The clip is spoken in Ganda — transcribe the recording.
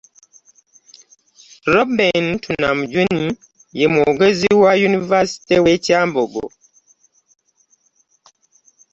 Reuben Twinomujuni, ye mwogezi wa Yunivasite w'e Kyambogo